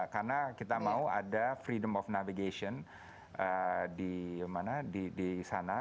karena kita mau ada freedom of navigation di sana